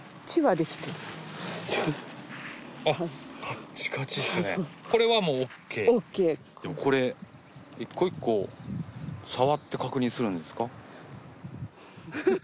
でもこれ１個１個触って確認するんですか？